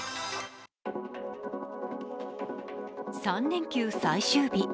３連休最終日。